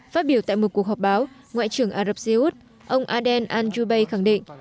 phát biểu tại một cuộc họp báo ngoại trưởng ả rập xê út ông aden al jubei khẳng định